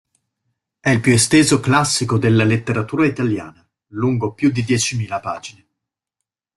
È il più esteso classico della letteratura italiana, lungo più di diecimila pagine.